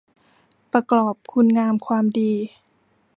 ประกอบคุณงามความดี